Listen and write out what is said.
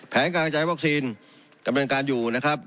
แผนการจ่ายวอคซีนกำลังการอยู่นะครับ